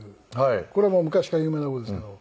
これはもう昔から有名な事ですけど。